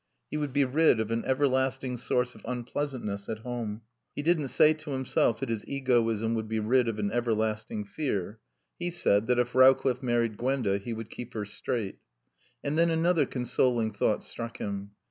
He would be rid of an everlasting source of unpleasantness at home. He didn't say to himself that his egoism would be rid of an everlasting fear. He said that if Rowcliffe married Gwenda he would keep her straight. And then another consoling thought struck him.